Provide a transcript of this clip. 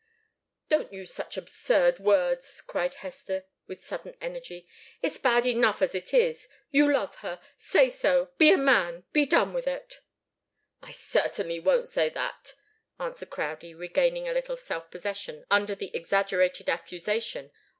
"Don't use such absurd words!" cried Hester, with sudden energy. "It's bad enough as it is. You love her. Say so! Be a man be done with it!" "I certainly won't say that," answered Crowdie, regaining a little self possession under the exaggerated accusation.